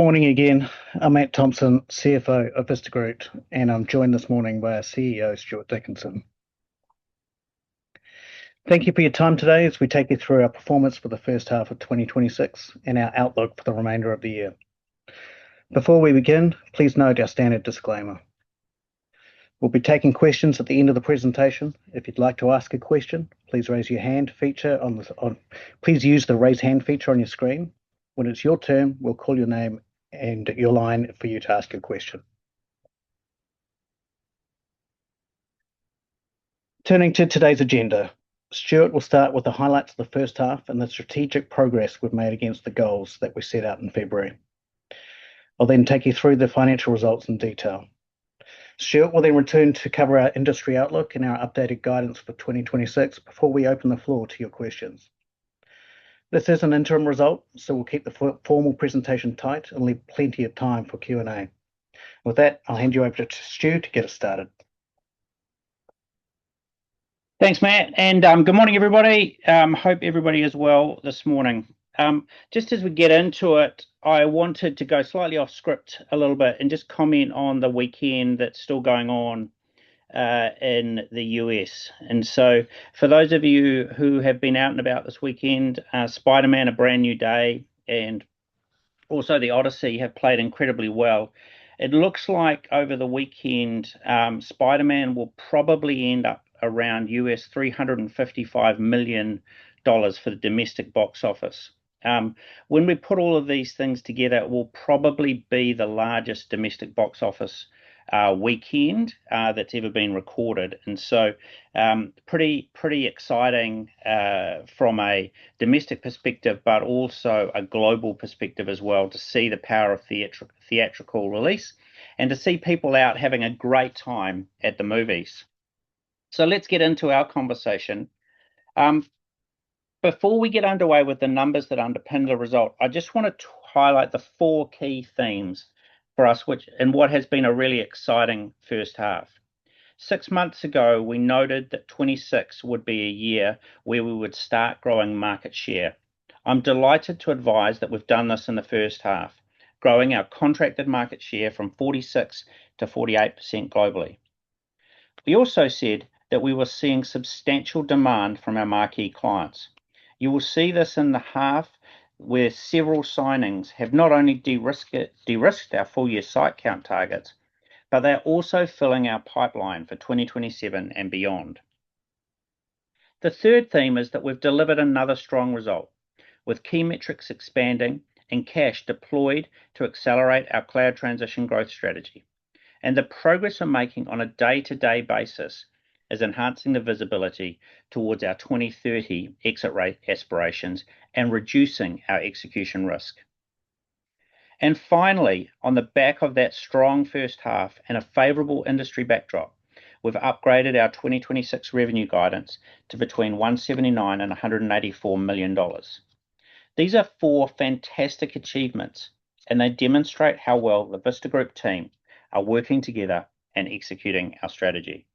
Morning again. I'm Matt Thompson, CFO of Vista Group, and I'm joined this morning by our CEO, Stuart Dickinson. Thank you for your time today as we take you through our performance for the first half of 2026 and our outlook for the remainder of the year. Before we begin, please note our standard disclaimer. We'll be taking questions at the end of the presentation. If you'd like to ask a question, please use the raise hand feature on your screen. When it's your turn, we'll call your name and your line for you to ask a question. Turning to today's agenda, Stuart will start with the highlights of the first half and the strategic progress we've made against the goals that we set out in February. I'll take you through the financial results in detail. Stuart will return to cover our industry outlook and our updated guidance for 2026 before we open the floor to your questions. This is an interim result, we'll keep the formal presentation tight and leave plenty of time for Q&A. With that, I'll hand you over to Stu to get us started. Thanks, Matt, good morning, everybody. Hope everybody is well this morning. Just as we get into it, I wanted to go slightly off script a little bit and just comment on the weekend that's still going on in the U.S. For those of you who have been out and about this weekend, "Spider-Man: Brand New Day," and also The Odyssey have played incredibly well. It looks like over the weekend, Spider-Man will probably end up around $355 million for the domestic box office. When we put all of these things together, it will probably be the largest domestic box office weekend that's ever been recorded. Pretty exciting from a domestic perspective, but also a global perspective as well to see the power of theatrical release and to see people out having a great time at the movies. Let's get into our conversation. Before we get underway with the numbers that underpin the result, I just want to highlight the four key themes for us in what has been a really exciting first half. Six months ago, we noted that 2026 would be a year where we would start growing market share. I'm delighted to advise that we've done this in the first half, growing our contracted market share from 46%-48% globally. We also said that we were seeing substantial demand from our marquee clients. You will see this in the half, where several signings have not only de-risked our full-year site count targets, but they're also filling our pipeline for 2027 and beyond. The third theme is that we've delivered another strong result, with key metrics expanding and cash deployed to accelerate our cloud transition growth strategy. The progress we're making on a day-to-day basis is enhancing the visibility towards our 2030 exit rate aspirations and reducing our execution risk. Finally, on the back of that strong first half and a favorable industry backdrop, we've upgraded our 2026 revenue guidance to between 179 million and 184 million dollars. These are four fantastic achievements, and they demonstrate how well the Vista Group team are working together and executing our strategy.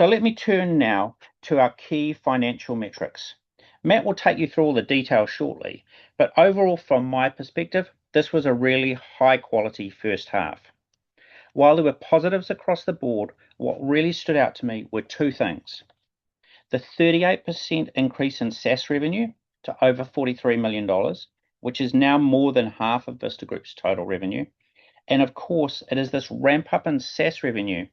Let me turn now to our key financial metrics. Matt will take you through all the details shortly, but overall, from my perspective, this was a really high-quality first half. While there were positives across the board, what really stood out to me were two things. The 38% increase in SaaS revenue to over 43 million dollars, which is now more than half of Vista Group's total revenue. Of course, it is this ramp-up in SaaS revenue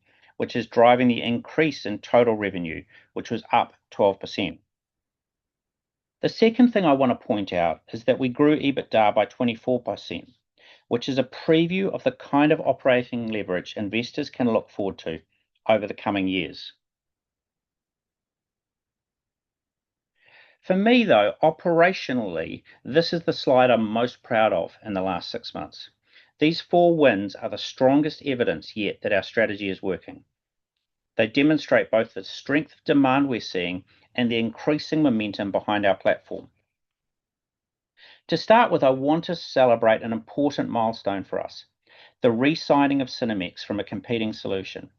which is driving the increase in total revenue, which was up 12%. The second thing I want to point out is that we grew EBITDA by 24%, which is a preview of the kind of operating leverage investors can look forward to over the coming years. For me, though, operationally, this is the slide I'm most proud of in the last six months. These four wins are the strongest evidence yet that our strategy is working. They demonstrate both the strength of demand we're seeing and the increasing momentum behind our platform. To start with, I want to celebrate an important milestone for us, the re-signing of Cinemex from a competing solution.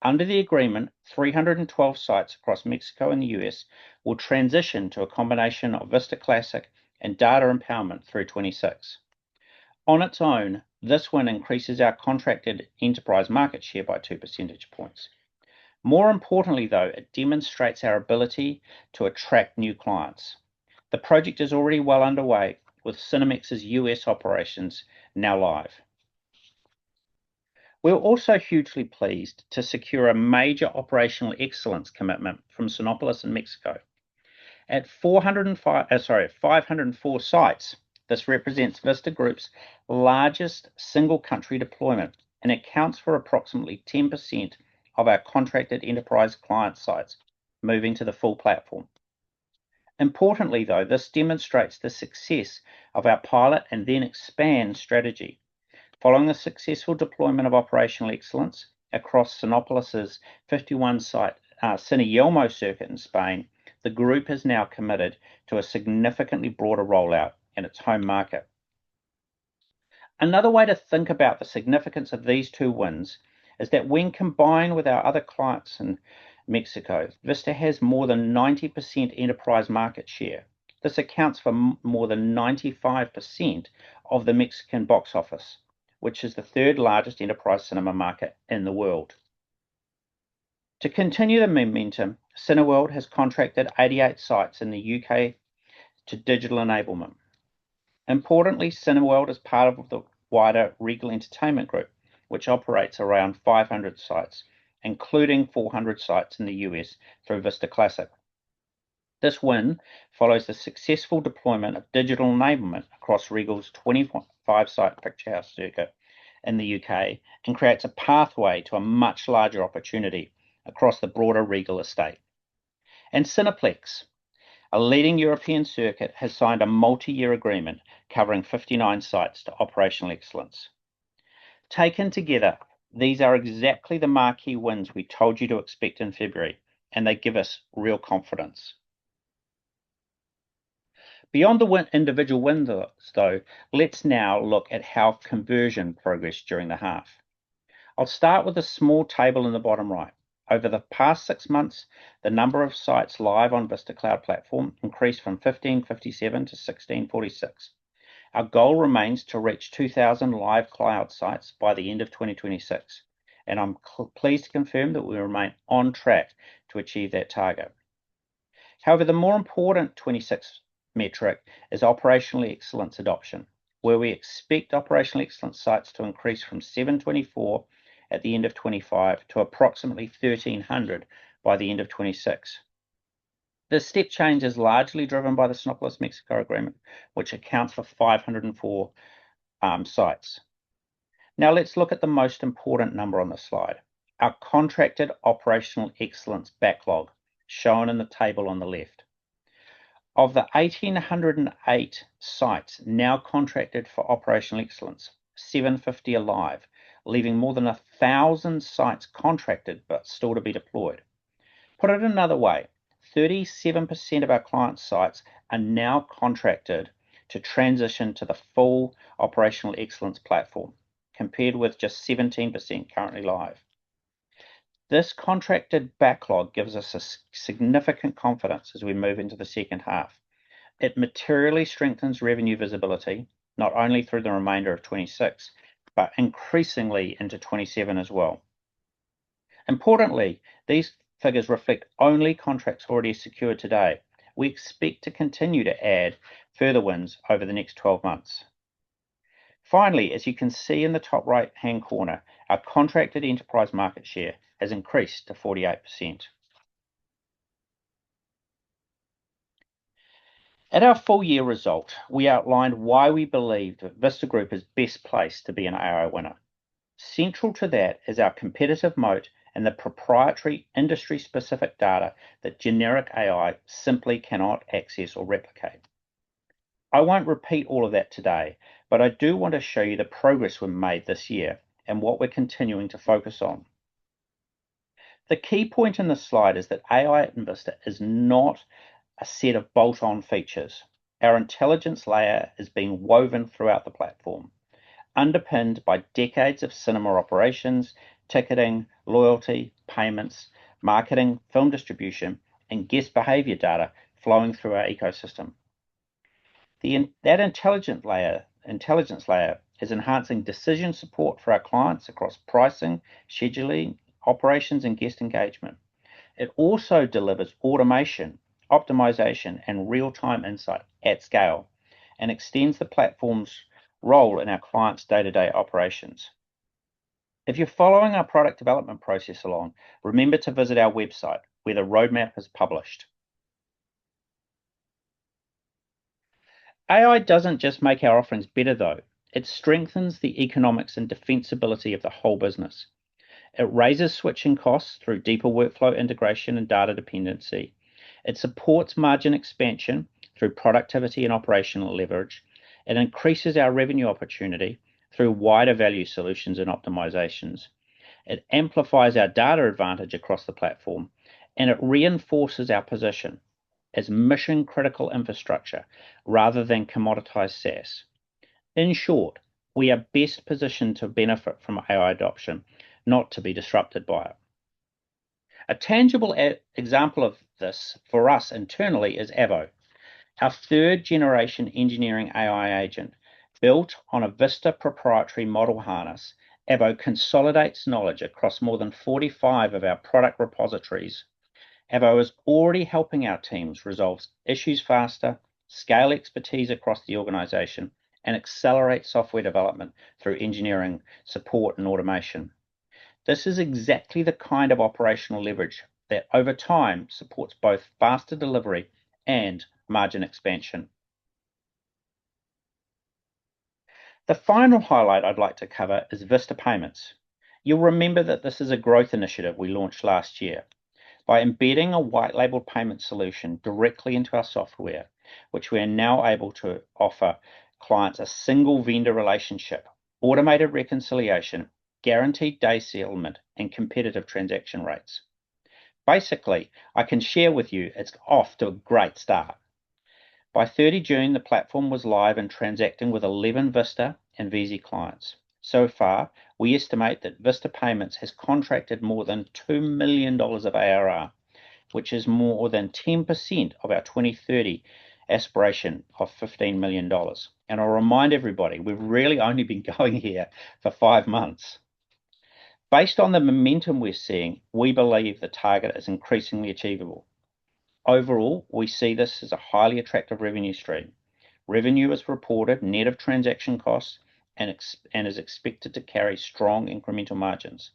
Under the agreement, 312 sites across Mexico and the U.S. will transition to a combination of Vista Classic and Data Empowerment through 2026. On its own, this win increases our contracted enterprise market share by two percentage points. More importantly, though, it demonstrates our ability to attract new clients. The project is already well underway, with Cinemex's U.S. operations now live. We're also hugely pleased to secure a major operational excellence commitment from Cinépolis in Mexico. At 504 sites, this represents Vista Group's largest single-country deployment and accounts for approximately 10% of our contracted enterprise client sites moving to the full platform. Importantly, though, this demonstrates the success of our pilot and then expand strategy. Following the successful deployment of operational excellence across Cinépolis' 51-site Cine Yelmo circuit in Spain, the group has now committed to a significantly broader rollout in its home market. Another way to think about the significance of these two wins is that when combined with our other clients in Mexico, Vista has more than 90% enterprise market share. This accounts for more than 95% of the Mexican box office, which is the third-largest enterprise cinema market in the world. To continue the momentum, Cineworld has contracted 88 sites in the U.K. to digital enablement. Importantly, Cineworld is part of the wider Regal Entertainment Group, which operates around 500 sites, including 400 sites in the U.S. through Vista Classic. This win follows the successful deployment of digital enablement across Regal's 25-site Picturehouse Cinemas circuit in the U.K. and creates a pathway to a much larger opportunity across the broader Regal estate. Cineplexx, a leading European circuit, has signed a multi-year agreement covering 59 sites to operational excellence. Taken together, these are exactly the marquee wins we told you to expect in February, and they give us real confidence. Beyond the individual wins though, let's now look at how conversion progressed during the half. I'll start with a small table in the bottom right. Over the past six months, the number of sites live on Vista Cloud platform increased from 1,557 to 1,646. Our goal remains to reach 2,000 live cloud sites by the end of 2026, and I'm pleased to confirm that we remain on track to achieve that target. However, the more important 2026 metric is operational excellence adoption, where we expect operational excellence sites to increase from 724 at the end of 2025 to approximately 1,300 by the end of 2026. The step change is largely driven by the Cinépolis Mexico agreement, which accounts for 504 sites. Let's look at the most important number on the slide, our contracted operational excellence backlog, shown in the table on the left. Of the 1,808 sites now contracted for operational excellence, 750 are live, leaving more than 1,000 sites contracted but still to be deployed. Put it another way, 37% of our client sites are now contracted to transition to the full operational excellence platform, compared with just 17% currently live. This contracted backlog gives us significant confidence as we move into the second half. It materially strengthens revenue visibility, not only through the remainder of 2026, but increasingly into 2027 as well. Importantly, these figures reflect only contracts already secured today. We expect to continue to add further wins over the next 12 months. Finally, as you can see in the top right-hand corner, our contracted enterprise market share has increased to 48%. At our full-year result, we outlined why we believe that Vista Group is best placed to be an AI winner. Central to that is our competitive moat and the proprietary industry-specific data that generic AI simply cannot access or replicate. I won't repeat all of that today, but I do want to show you the progress we've made this year and what we're continuing to focus on. The key point in this slide is that AI at Vista is not a set of bolt-on features. Our intelligence layer is being woven throughout the platform, underpinned by decades of cinema operations, ticketing, loyalty, payments, marketing, film distribution, and guest behavior data flowing through our ecosystem. That intelligence layer is enhancing decision support for our clients across pricing, scheduling, operations, and guest engagement. It also delivers automation, optimization, and real-time insight at scale and extends the platform's role in our clients' day-to-day operations. If you're following our product development process along, remember to visit our website where the roadmap is published. AI doesn't just make our offerings better, though. It strengthens the economics and defensibility of the whole business. It raises switching costs through deeper workflow integration and data dependency. It supports margin expansion through productivity and operational leverage. It increases our revenue opportunity through wider value solutions and optimizations. It amplifies our data advantage across the platform, and it reinforces our position as mission-critical infrastructure rather than commoditized SaaS. In short, we are best positioned to benefit from AI adoption, not to be disrupted by it. A tangible example of this for us internally is Avo, our third-generation engineering AI agent. Built on a Vista proprietary model harness, Avo consolidates knowledge across more than 45 of our product repositories. Avo is already helping our teams resolve issues faster, scale expertise across the organization, and accelerate software development through engineering, support, and automation. This is exactly the kind of operational leverage that, over time, supports both faster delivery and margin expansion. The final highlight I would like to cover is Vista Payments. You will remember that this is a growth initiative we launched last year. By embedding a white label payment solution directly into our software, we are now able to offer clients a single vendor relationship, automated reconciliation, guaranteed day settlement, and competitive transaction rates. Basically, I can share with you it is off to a great start. By 30 June, the platform was live and transacting with 11 Vista and Veezi clients. So far, we estimate that Vista Payments has contracted more than 2 million dollars of ARR, which is more than 10% of our 2030 aspiration of 15 million dollars. I will remind everybody, we have really only been going here for five months. Based on the momentum we are seeing, we believe the target is increasingly achievable. Overall, we see this as a highly attractive revenue stream. Revenue is reported net of transaction costs and is expected to carry strong incremental margins.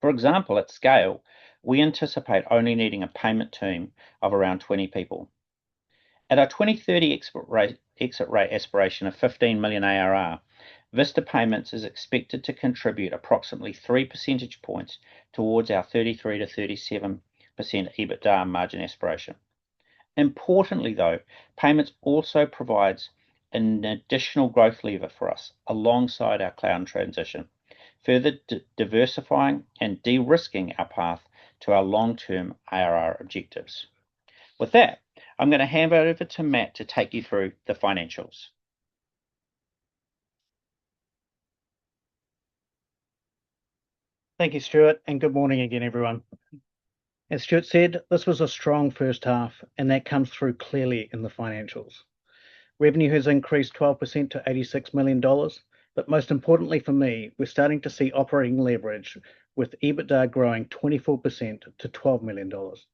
For example, at scale, we anticipate only needing a payment team of around 20 people. At our 2030 exit rate aspiration of 15 million ARR, Vista Payments is expected to contribute approximately three percentage points towards our 33%-37% EBITDA margin aspiration. Importantly though, Payments also provides an additional growth lever for us alongside our cloud transition, further diversifying and de-risking our path to our long-term ARR objectives. With that, I am going to hand over to Matt to take you through the financials. Thank you, Stuart, good morning again, everyone. As Stuart said, this was a strong first half, that comes through clearly in the financials. Revenue has increased 12% to 86 million dollars. Most importantly for me, we are starting to see operating leverage, with EBITDA growing 24% to 12 million dollars.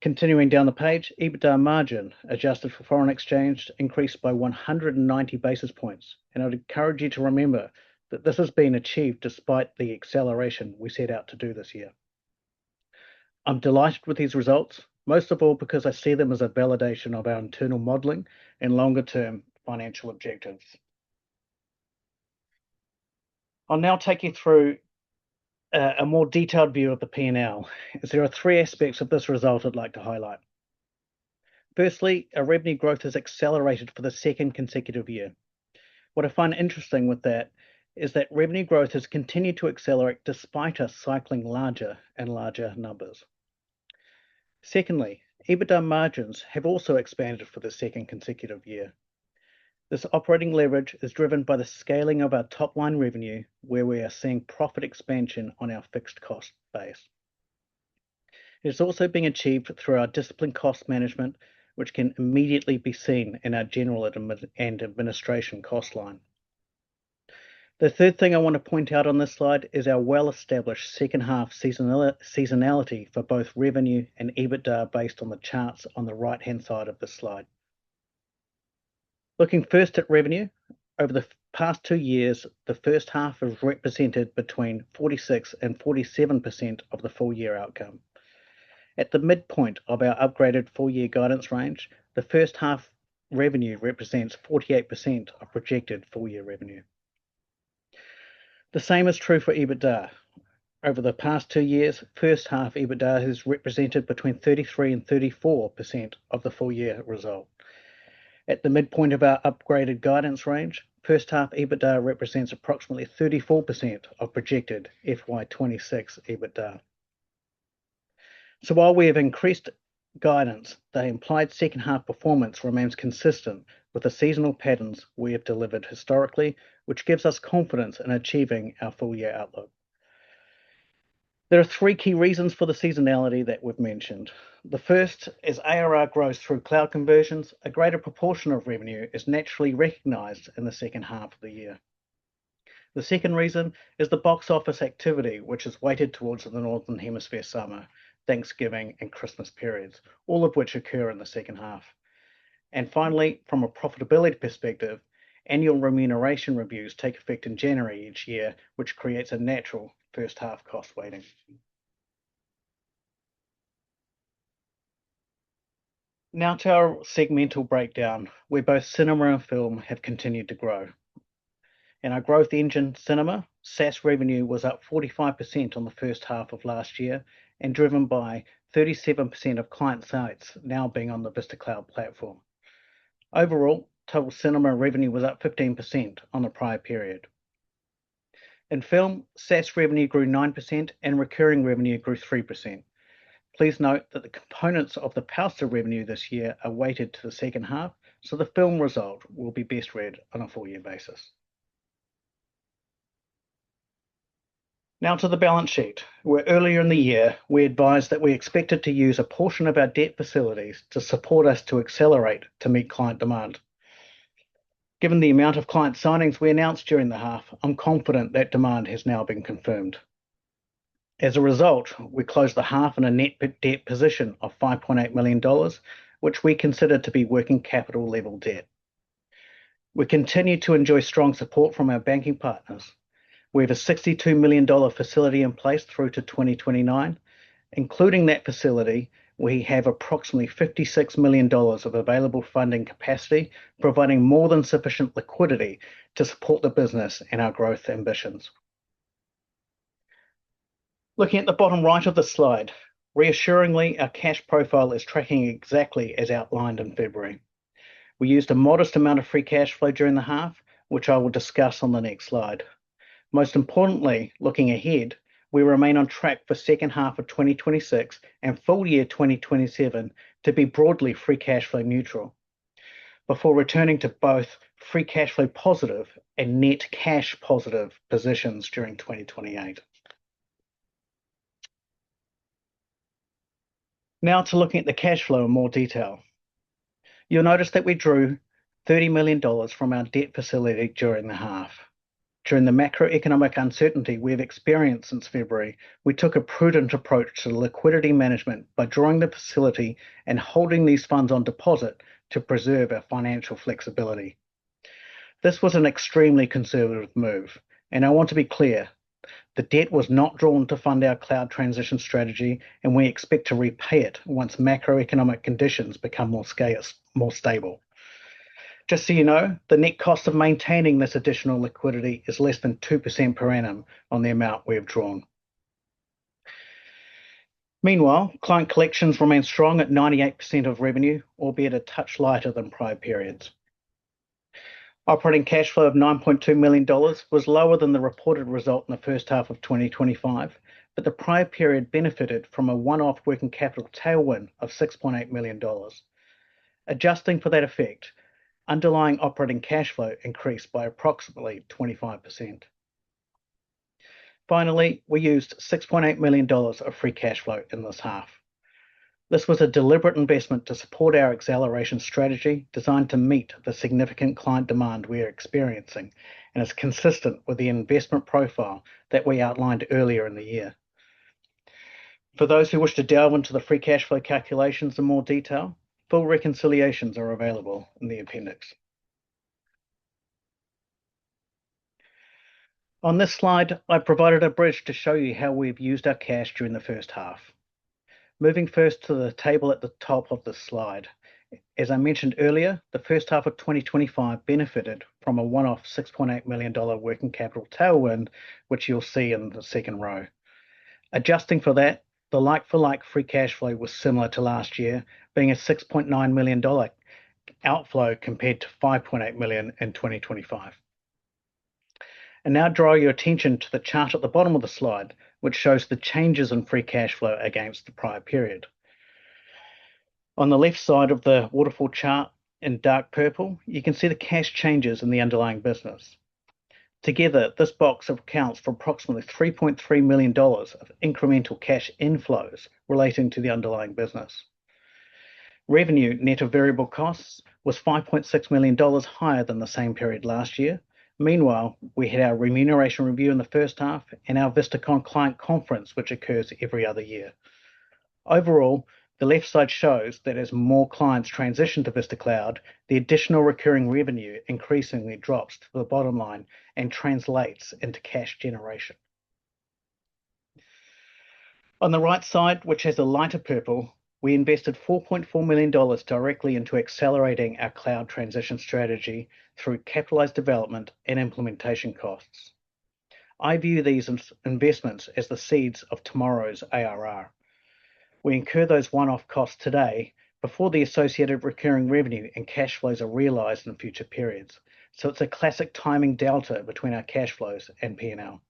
Continuing down the page, EBITDA margin, adjusted for foreign exchange, increased by 190 basis points. I would encourage you to remember that this has been achieved despite the acceleration we set out to do this year. I am delighted with these results, most of all because I see them as a validation of our internal modeling and longer-term financial objectives. I will now take you through a more detailed view of the P&L, as there are three aspects of this result I would like to highlight. Firstly, our revenue growth has accelerated for the second consecutive year. What I find interesting with that is that revenue growth has continued to accelerate despite us cycling larger and larger numbers. Secondly, EBITDA margins have also expanded for the second consecutive year. This operating leverage is driven by the scaling of our top-line revenue, where we are seeing profit expansion on our fixed cost base. It is also been achieved through our disciplined cost management, which can immediately be seen in our general and administration cost line. The third thing I want to point out on this slide is our well-established second half seasonality for both revenue and EBITDA based on the charts on the right-hand side of the slide. Looking first at revenue. Over the past two years, the first half has represented between 46% and 47% of the full year outcome. At the midpoint of our upgraded full-year guidance range, the first half revenue represents 48% of projected full-year revenue. The same is true for EBITDA. Over the past two years, first-half EBITDA has represented between 33% and 34% of the full-year result. At the midpoint of our upgraded guidance range, first-half EBITDA represents approximately 34% of projected FY 2026 EBITDA. While we have increased guidance, the implied second-half performance remains consistent with the seasonal patterns we have delivered historically, which gives us confidence in achieving our full-year outlook. There are three key reasons for the seasonality that we've mentioned. The first is ARR grows through cloud conversions. A greater proportion of revenue is naturally recognized in the second half of the year. The second reason is the box office activity, which is weighted towards the Northern Hemisphere summer, Thanksgiving, and Christmas periods, all of which occur in the second half. Finally, from a profitability perspective, annual remuneration reviews take effect in January each year, which creates a natural first-half cost weighting. Now to our segmental breakdown, where both cinema and film have continued to grow. In our growth engine, cinema, SaaS revenue was up 45% on the first half of last year and driven by 37% of client sites now being on the Vista Cloud platform. Overall, total cinema revenue was up 15% on the prior period. In film, SaaS revenue grew 9% and recurring revenue grew 3%. Please note that the components of the Powster revenue this year are weighted to the second half, the film result will be best read on a full-year basis. Now to the balance sheet, where earlier in the year we advised that we expected to use a portion of our debt facilities to support us to accelerate to meet client demand. Given the amount of client signings we announced during the half, I'm confident that demand has now been confirmed. As a result, we closed the half in a net debt position of 5.8 million dollars, which we consider to be working capital level debt. We continue to enjoy strong support from our banking partners. We have a 62 million dollar facility in place through to 2029. Including that facility, we have approximately 56 million dollars of available funding capacity, providing more than sufficient liquidity to support the business and our growth ambitions. Looking at the bottom right of the slide, reassuringly, our cash profile is tracking exactly as outlined in February. We used a modest amount of free cash flow during the half, which I will discuss on the next slide. Most importantly, looking ahead, we remain on track for second half of 2026 and full year 2027 to be broadly free cash flow neutral, before returning to both free cash flow positive and net cash positive positions during 2028. Now to looking at the cash flow in more detail. You'll notice that we drew 30 million dollars from our debt facility during the half. During the macroeconomic uncertainty we've experienced since February, we took a prudent approach to liquidity management by drawing the facility and holding these funds on deposit to preserve our financial flexibility. This was an extremely conservative move, I want to be clear, the debt was not drawn to fund our cloud transition strategy, we expect to repay it once macroeconomic conditions become more stable. Just so you know, the net cost of maintaining this additional liquidity is less than 2% per annum on the amount we have drawn. Meanwhile, client collections remain strong at 98% of revenue, albeit a touch lighter than prior periods. Operating cash flow of 9.2 million dollars was lower than the reported result in the first half of 2025, but the prior period benefited from a one-off working capital tailwind of 6.8 million dollars. Adjusting for that effect, underlying operating cash flow increased by approximately 25%. Finally, we used 6.8 million dollars of free cash flow in this half. This was a deliberate investment to support our acceleration strategy, designed to meet the significant client demand we are experiencing, is consistent with the investment profile that we outlined earlier in the year. For those who wish to delve into the free cash flow calculations in more detail, full reconciliations are available in the appendix. On this slide, I provided a bridge to show you how we've used our cash during the first half. Moving first to the table at the top of the slide. As I mentioned earlier, the first half of 2025 benefited from a one-off 6.8 million dollar working capital tailwind, which you'll see in the second row. Adjusting for that, the like-for-like free cash flow was similar to last year, being a 6.9 million dollar outflow compared to 5.8 million in 2025. Now draw your attention to the chart at the bottom of the slide, which shows the changes in free cash flow against the prior period. On the left side of the waterfall chart in dark purple, you can see the cash changes in the underlying business. Together, this box accounts for approximately 3.3 million dollars of incremental cash inflows relating to the underlying business. Revenue net of variable costs was 5.6 million dollars higher than the same period last year. Meanwhile, we had our remuneration review in the first half and our VistaCon client conference, which occurs every other year. Overall, the left side shows that as more clients transition to Vista Cloud, the additional recurring revenue increasingly drops to the bottom line and translates into cash generation. On the right side, which has a lighter purple, we invested 4.4 million dollars directly into accelerating our cloud transition strategy through capitalized development and implementation costs. I view these investments as the seeds of tomorrow's ARR. We incur those one-off costs today before the associated recurring revenue and cash flows are realized in future periods. It's a classic timing delta between our cash flows and P&L.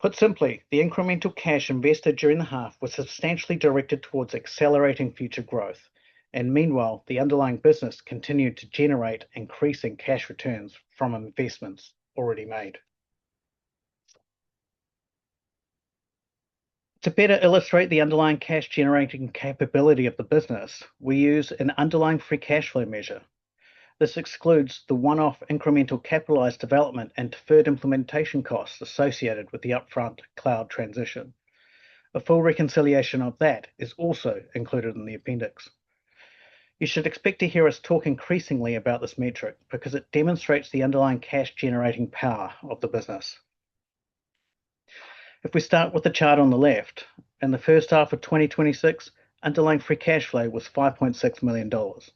Put simply, the incremental cash invested during the half was substantially directed towards accelerating future growth. Meanwhile, the underlying business continued to generate increasing cash returns from investments already made. To better illustrate the underlying cash generating capability of the business, we use an underlying free cash flow measure. This excludes the one-off incremental capitalized development and deferred implementation costs associated with the upfront cloud transition. A full reconciliation of that is also included in the appendix. You should expect to hear us talk increasingly about this metric because it demonstrates the underlying cash generating power of the business. If we start with the chart on the left, in the first half of 2026, underlying free cash flow was 5.6 million dollars.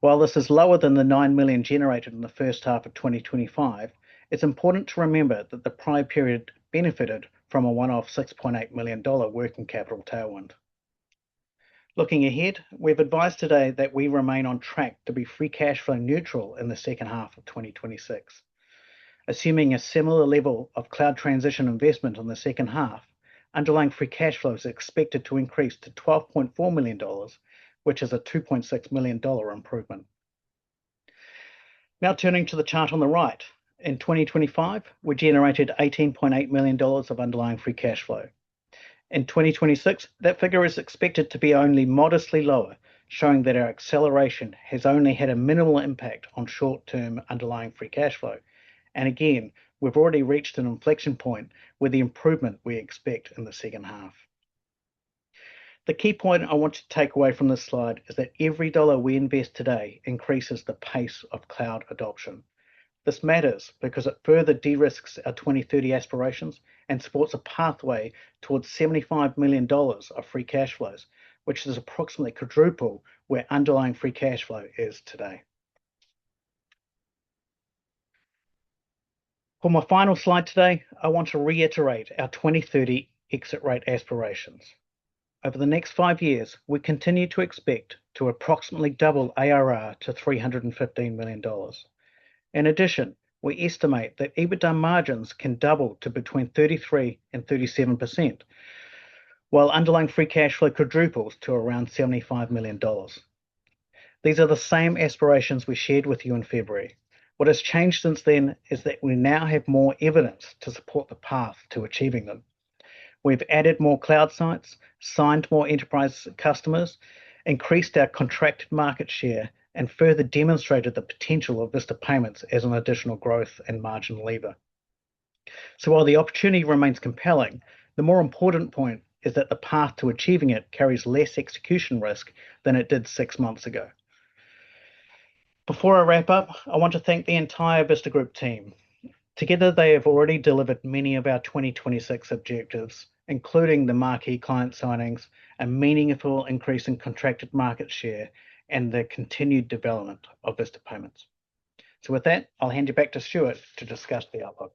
While this is lower than the 9 million generated in the first half of 2025, it's important to remember that the prior period benefited from a one-off 6.8 million dollar working capital tailwind. Looking ahead, we've advised today that we remain on track to be free cash flow neutral in the second half of 2026. Assuming a similar level of cloud transition investment in the second half, underlying free cash flow is expected to increase to 12.4 million dollars, which is a 2.6 million dollar improvement. Turning to the chart on the right. In 2025, we generated 18.8 million dollars of underlying free cash flow. In 2026, that figure is expected to be only modestly lower, showing that our acceleration has only had a minimal impact on short-term underlying free cash flow. Again, we've already reached an inflection point with the improvement we expect in the second half. The key point I want you to take away from this slide is that every NZD we invest today increases the pace of cloud adoption. This matters because it further de-risks our 2030 aspirations and supports a pathway towards 75 million dollars of free cash flows, which is approximately quadruple where underlying free cash flow is today. For my final slide today, I want to reiterate our 2030 exit rate aspirations. Over the next five years, we continue to expect to approximately double ARR to 315 million dollars. In addition, we estimate that EBITDA margins can double to between 33% and 37%, while underlying free cash flow quadruples to around 75 million dollars. These are the same aspirations we shared with you in February. What has changed since then is that we now have more evidence to support the path to achieving them. We've added more cloud sites, signed more enterprise customers, increased our contract market share, and further demonstrated the potential of Vista Payments as an additional growth and margin lever. While the opportunity remains compelling, the more important point is that the path to achieving it carries less execution risk than it did six months ago. Before I wrap up, I want to thank the entire Vista Group team. Together, they have already delivered many of our 2026 objectives, including the marquee client signings, a meaningful increase in contracted market share, and the continued development of Vista Payments. With that, I'll hand you back to Stuart to discuss the outlook.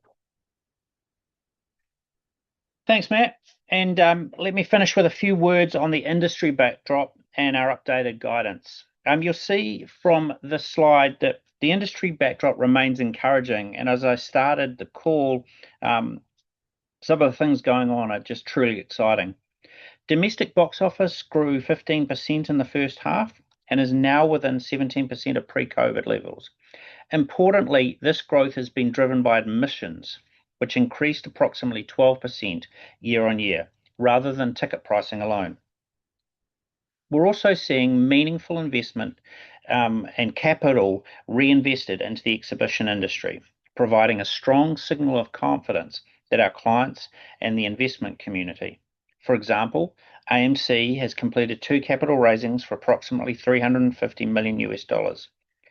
Thanks, Matt. Let me finish with a few words on the industry backdrop and our updated guidance. You'll see from the slide that the industry backdrop remains encouraging, and as I started the call, some of the things going on are just truly exciting. Domestic box office grew 15% in the first half and is now within 17% of pre-COVID levels. Importantly, this growth has been driven by admissions, which increased approximately 12% year-on-year, rather than ticket pricing alone. We're also seeing meaningful investment and capital reinvested into the exhibition industry, providing a strong signal of confidence that our clients and the investment community. For example, AMC has completed two capital raisings for approximately NZD 350 million,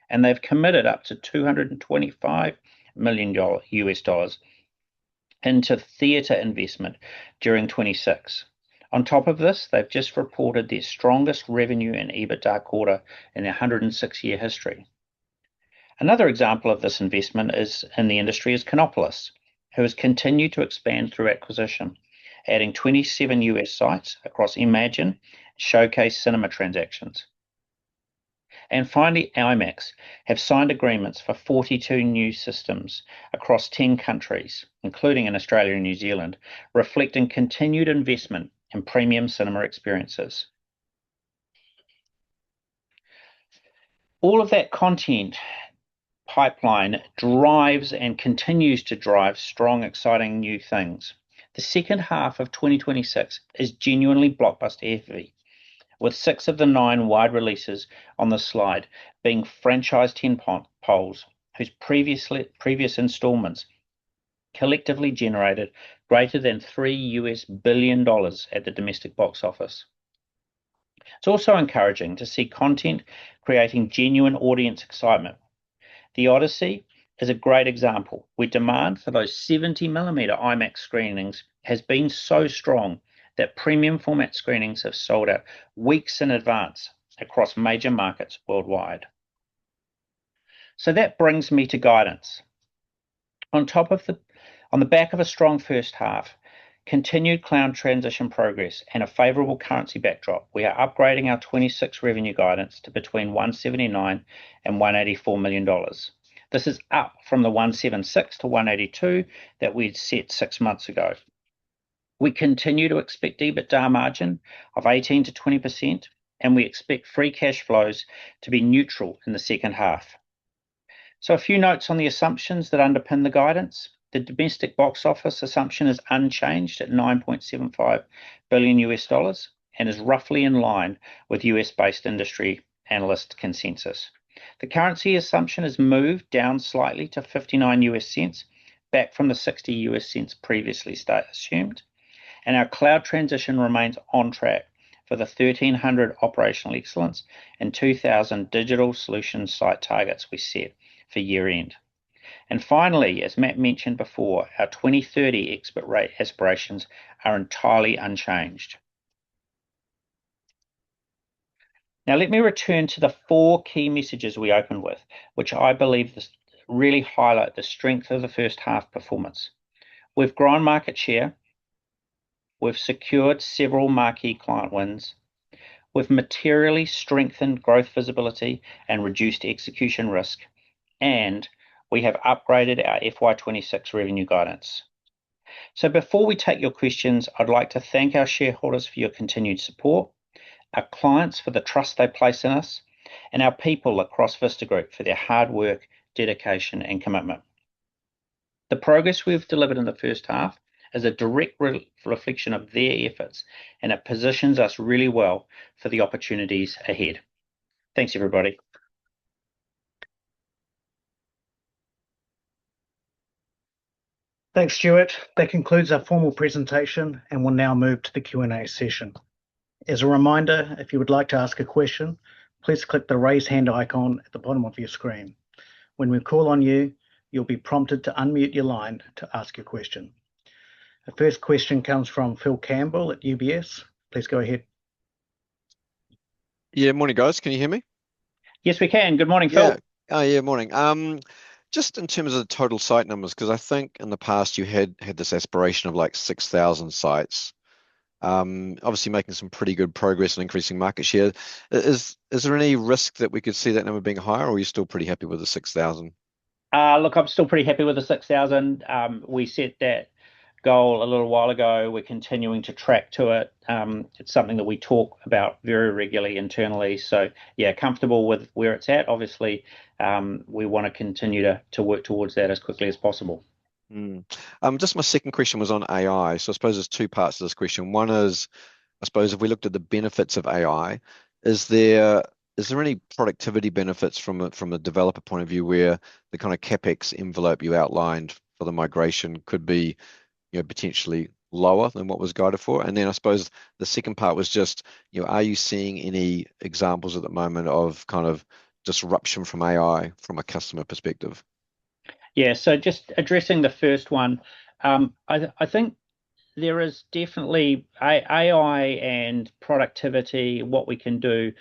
and they've committed up to NZD 225 million into theater investment during 2026. On top of this, they've just reported their strongest revenue and EBITDA quarter in their 106-year history. Another example of this investment in the industry is Cineworld, who has continued to expand through acquisition, adding 27 U.S. sites across Imagine Showcase Cinema transactions. Finally, IMAX have signed agreements for 42 new systems across 10 countries, including in Australia and New Zealand, reflecting continued investment in premium cinema experiences. All of that content pipeline drives and continues to drive strong, exciting new things. The second half of 2026 is genuinely blockbuster-heavy, with six of the nine wide releases on the slide being franchise tentpoles whose previous installments collectively generated greater than $3 billion at the domestic box office. It's also encouraging to see content creating genuine audience excitement. "The Odyssey" is a great example, where demand for those 70-millimeter IMAX screenings has been so strong that premium format screenings have sold out weeks in advance across major markets worldwide. That brings me to guidance. On the back of a strong first half, continued Vista Cloud transition progress, and a favorable currency backdrop, we are upgrading our 2026 revenue guidance to between 179 million and 184 million dollars. This is up from the 176 million to 182 million that we'd set six months ago. We continue to expect EBITDA margin of 18%-20%, and we expect free cash flows to be neutral in the second half. A few notes on the assumptions that underpin the guidance. The domestic box office assumption is unchanged at $9.75 billion, and is roughly in line with U.S.-based industry analyst consensus. The currency assumption has moved down slightly to $0.59, back from the $0.60 previously assumed, and our Vista Cloud transition remains on track for the 1,300 operational excellence and 2,000 digital solution site targets we set for year-end. Finally, as Matt mentioned before, our 2030 exit rate aspirations are entirely unchanged. Let me return to the four key messages we opened with, which I believe really highlight the strength of the first half performance. We've grown market share, we've secured several marquee client wins, we've materially strengthened growth visibility and reduced execution risk, and we have upgraded our FY 2026 revenue guidance. Before we take your questions, I'd like to thank our shareholders for your continued support, our clients for the trust they place in us, and our people across Vista Group for their hard work, dedication, and commitment. The progress we've delivered in the first half is a direct reflection of their efforts, and it positions us really well for the opportunities ahead. Thanks, everybody. Thanks, Stuart. That concludes our formal presentation. We'll now move to the Q&A session. As a reminder, if you would like to ask a question, please click the raise hand icon at the bottom of your screen. When we call on you'll be prompted to unmute your line to ask your question. The first question comes from Phil Campbell at UBS. Please go ahead. Yeah. Morning, guys. Can you hear me? Yes, we can. Good morning, Phil. Yeah, morning. Just in terms of the total site numbers, because I think in the past you had this aspiration of 6,000 sites. Obviously making some pretty good progress in increasing market share. Is there any risk that we could see that number being higher, or are you still pretty happy with the 6,000? Look, I'm still pretty happy with the 6,000. We set that goal a little while ago. We're continuing to track to it. It's something that we talk about very regularly internally. Yeah, comfortable with where it's at. Obviously, we want to continue to work towards that as quickly as possible. Just my second question was on AI. I suppose there's two parts to this question. One is, I suppose if we looked at the benefits of AI, is there any productivity benefits from the developer point of view where the kind of CapEx envelope you outlined for the migration could be potentially lower than what was guided for? Are you seeing any examples at the moment of disruption from AI from a customer perspective? Yeah. Just addressing the first one. I think there is definitely AI and productivity, what we can do.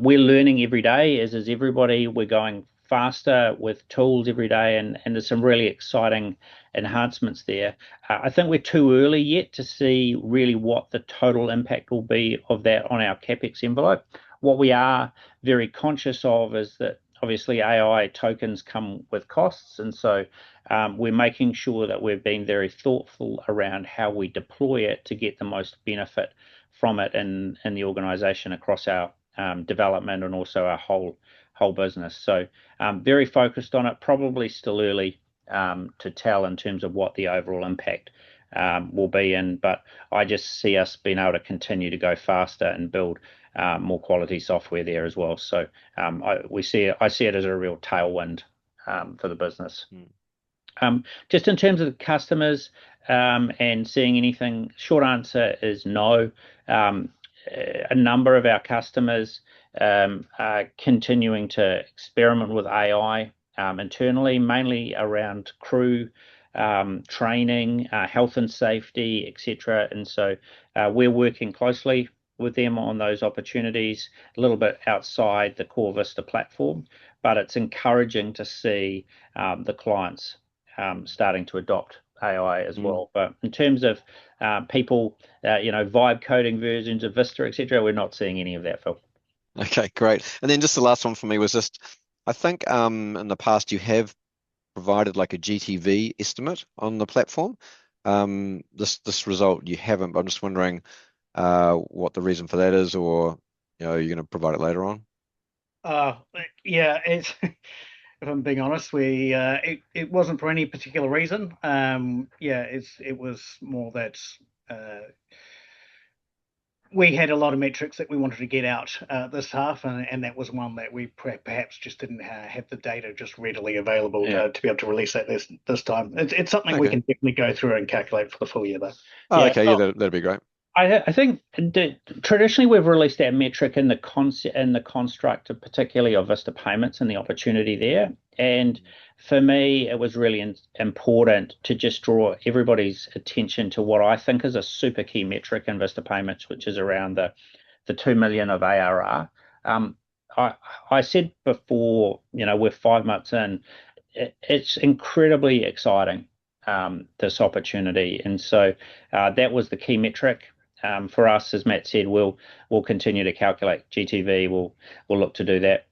We're learning every day, as is everybody. We're going faster with tools every day, and there's some really exciting enhancements there. I think we're too early yet to see really what the total impact will be of that on our CapEx envelope. What we are very conscious of is that obviously AI tokens come with costs. We're making sure that we're being very thoughtful around how we deploy it to get the most benefit from it in the organization across our development and also our whole business. Very focused on it. Probably still early to tell in terms of what the overall impact will be. I just see us being able to continue to go faster and build more quality software there as well. I see it as a real tailwind for the business. Just in terms of the customers, and seeing anything, short answer is no. A number of our customers are continuing to experiment with AI internally, mainly around crew training, health and safety, et cetera. We're working closely with them on those opportunities, a little bit outside the core Vista platform. It's encouraging to see the clients starting to adopt AI as well. In terms of people vibe coding versions of Vista, et cetera, we're not seeing any of that, Phil. Okay, great. Just the last one for me was just I think in the past you have provided like a GTV estimate on the platform. This result you haven't, but I'm just wondering what the reason for that is, or are you going to provide it later on? Yeah. If I'm being honest, it wasn't for any particular reason. Yeah, it was more that we had a lot of metrics that we wanted to get out this half, that was one that we perhaps just didn't have the data just readily available- Yeah. to be able to release that this time. It's something- Okay. We can definitely go through and calculate for the full year, though. Okay. Yeah, that'd be great. I think, traditionally we've released our metric in the construct of particularly of Vista Payments and the opportunity there. For me, it was really important to just draw everybody's attention to what I think is a super key metric in Vista Payments, which is around 2 million of ARR. I said before, we're five months in. It's incredibly exciting, this opportunity. That was the key metric. For us, as Matt said, we'll continue to calculate GTV. We'll look to do that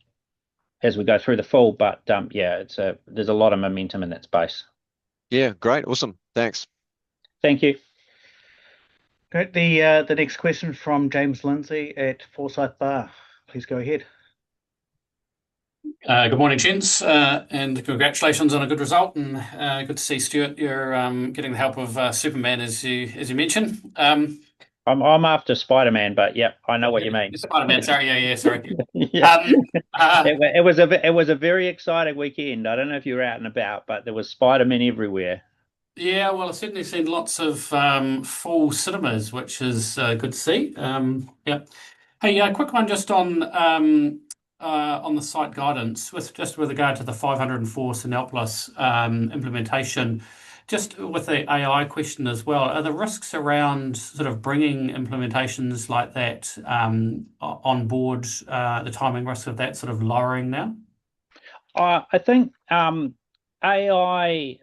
as we go through the fall. Yeah, there's a lot of momentum in that space. Yeah, great. Awesome. Thanks. Thank you. Great. The next question from James Lindsay at Forsyth Barr. Please go ahead. Good morning, gents, and congratulations on a good result and good to see Stuart. You are getting the help of Superman as you mentioned. Yep, I know what you mean. Spider-Man. Sorry. Yeah. Yeah. It was a very exciting weekend. I don't know if you were out and about, but there were Spider-Men everywhere. Yeah. Well, I've certainly seen lots of full cinemas, which is good to see. Yep. Hey, a quick one just on the site guidance with just with regard to the 504+ implementation. Just with the AI question as well, are the risks around bringing implementations like that on board, the timing risk of that sort of lowering now? I think AI,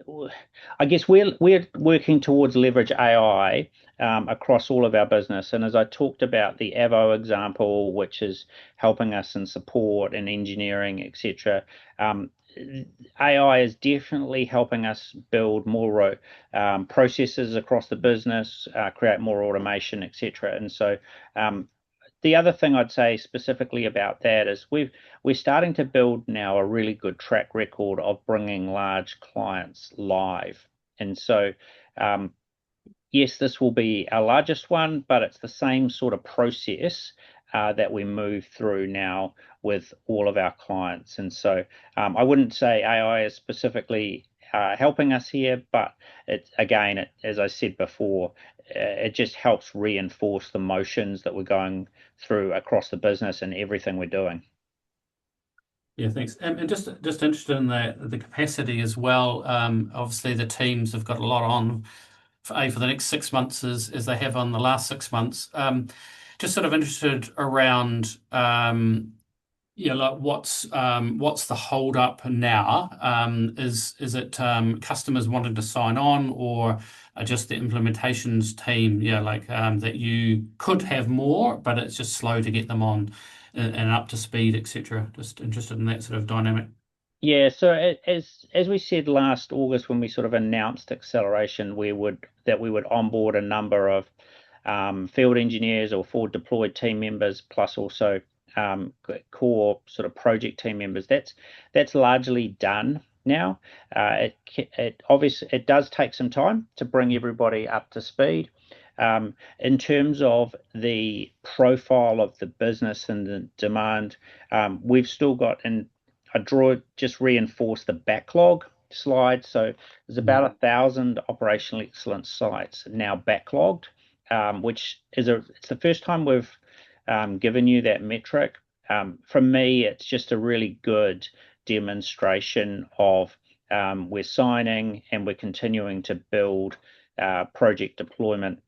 I guess we're working towards leverage AI across all of our business. As I talked about the Avo example, which is helping us in support and engineering, et cetera. AI is definitely helping us build more processes across the business, create more automation, et cetera. The other thing I'd say specifically about that is we're starting to build now a really good track record of bringing large clients live. Yes, this will be our largest one, but it's the same sort of process that we move through now with all of our clients. I wouldn't say AI is specifically helping us here, but again, as I said before, it just helps reinforce the motions that we're going through across the business and everything we're doing. Yeah, thanks. Just interested in the capacity as well. Obviously, the teams have got a lot on for the next six months as they have on the last six months. Just interested around what's the hold-up now? Is it customers wanting to sign on or just the implementations team, that you could have more, but it's just slow to get them on and up to speed, et cetera? Just interested in that sort of dynamic. Yeah. As we said last August when we announced acceleration, that we would onboard a number of field engineers or forward-deployed team members, plus also core sort of project team members. That's largely done now. Obviously, it does take some time to bring everybody up to speed. In terms of the profile of the business and the demand, we've still got, and I drew it just to reinforce the backlog slide. There's about 1,000 Operational Excellence sites now backlogged, which it's the first time we've given you that metric. For me, it's just a really good demonstration of we're signing and we're continuing to build project deployment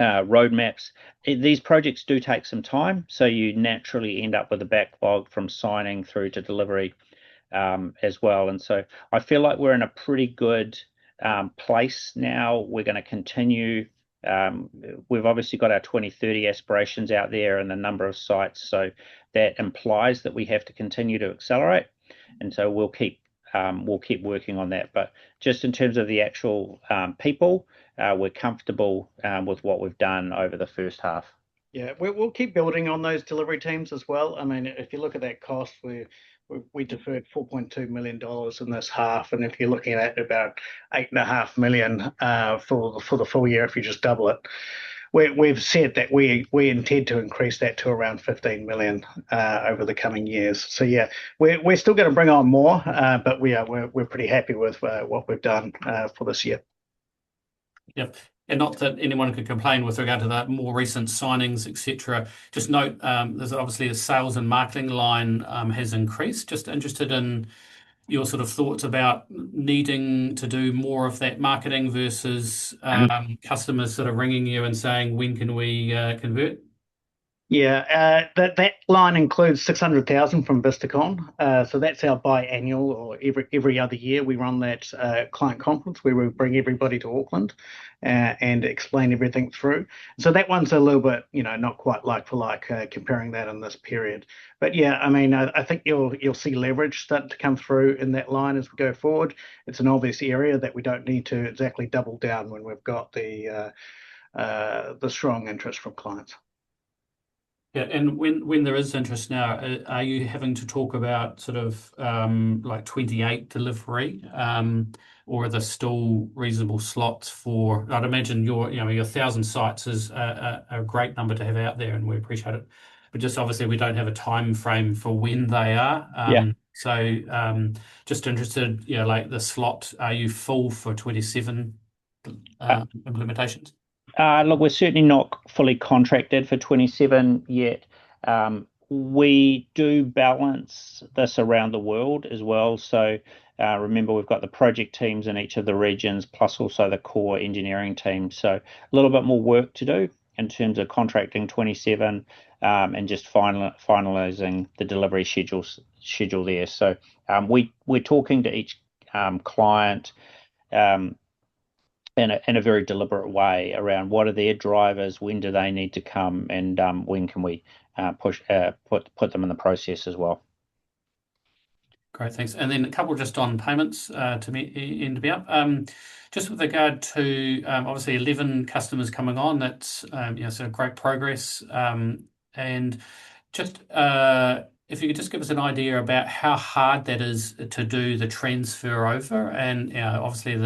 roadmaps. These projects do take some time, so you naturally end up with a backlog from signing through to delivery as well. I feel like we're in a pretty good place now. We're going to continue. We've obviously got our 2030 aspirations out there and the number of sites, that implies that we have to continue to accelerate, we'll keep working on that. Just in terms of the actual people, we're comfortable with what we've done over the first half. Yeah. We'll keep building on those delivery teams as well. If you look at that cost, we deferred 4.2 million dollars in this half, and if you're looking at about 8.5 million for the full year, if you just double it. We've said that we intend to increase that to around 15 million over the coming years. Yeah, we're still going to bring on more, but we're pretty happy with what we've done for this year. Yeah. Not that anyone could complain with regard to that, more recent signings, et cetera. Just note, there's obviously a sales and marketing line has increased. Just interested in your thoughts about needing to do more of that marketing versus customers sort of ringing you and saying, "When can we convert? Yeah. That line includes 600,000 from VistaCon. That's our biannual, or every other year, we run that client conference where we bring everybody to Auckland and explain everything through. That one's a little bit not quite like for like comparing that in this period. Yeah, I think you'll see leverage start to come through in that line as we go forward. It's an obvious area that we don't need to exactly double down when we've got the strong interest from clients. Yeah. When there is interest now, are you having to talk about 2028 delivery, or are there still reasonable slots for I'd imagine your 1,000 sites is a great number to have out there, and we appreciate it. Just obviously, we don't have a timeframe for when they are. Yeah. Just interested, like the slot, are you full for 2027 implementations? Look, we're certainly not fully contracted for 2027 yet. We do balance this around the world as well. Remember, we've got the project teams in each of the regions, plus also the core engineering team. A little bit more work to do in terms of contracting 2027, and just finalizing the delivery schedule there. We're talking to each client in a very deliberate way around what are their drivers, when do they need to come, and when can we put them in the process as well. Great, thanks. Then a couple just on payments, to end me up. Just with regard to, obviously, 11 customers coming on, that's great progress. If you could just give us an idea about how hard that is to do the transfer over and obviously,